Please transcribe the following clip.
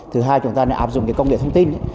thứ hai chúng ta nên áp dụng cái công nghệ thông tin